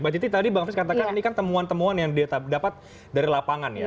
mbak titi tadi bang frits katakan ini kan temuan temuan yang dia dapat dari lapangan ya